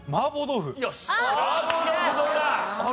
麻婆豆腐どうだ？